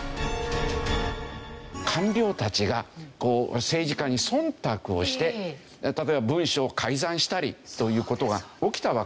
官僚たちがこう政治家に忖度をして例えば文書を改ざんしたりという事が起きたわけですよね。